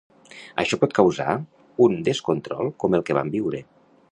Això pot causar un descontrol com el que vam viure.